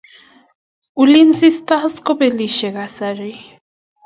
Ulinzi stars ko ibelishe kasari